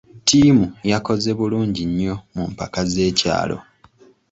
Ttiimu yakoze bulungi nnyo mu mpaka z'ekyalo.